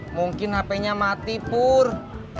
mungkin hpnya mati burr